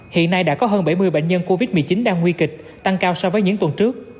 hiện nay đã có hơn bảy mươi bệnh nhân covid một mươi chín đang nguy kịch tăng cao so với những tuần trước